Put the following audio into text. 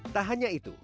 tak hanya itu